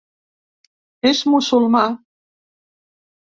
És musulmà.